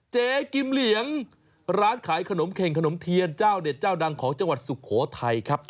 เจ๊กิมเหลียงร้านขายขนมเข่งขนมเทียนเจ้าเด็ดเจ้าดังของจังหวัดสุโขทัยครับ